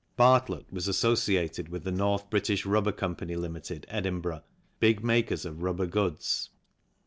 Bartlett was associated with the North British Rubber Co., Ltd., Edinburgh, big makers of rubber goods.